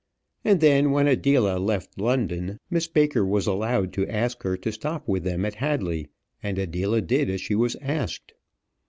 And then when Adela left London, Miss Baker was allowed to ask her to stop with them at Hadley and Adela did as she was asked.